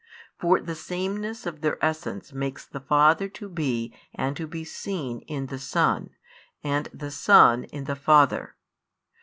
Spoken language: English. For the sameness of their Essence makes the Father to be and to be seen in the Son, and the Son in the Father.